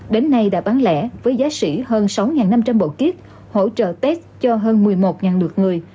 đến nay đã bán lẻ với giá xỉ hơn sáu năm trăm linh bộ kit hỗ trợ test cho hơn một mươi một lượt người